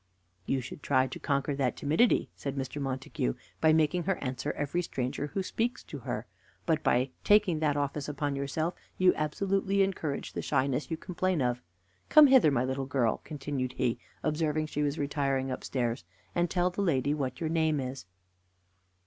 "You should try to conquer that timidity," said Mr. Montague, "by making her answer every stranger who speaks to her; but by taking that office upon yourself, you absolutely encourage the shyness you complain of. Come hither, my little girl," continued he, observing she was retiring upstairs, "and tell the lady what your name is."